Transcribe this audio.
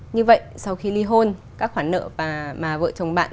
như vậy sau khi ly hôn các khoản nợ mà vợ chồng bạn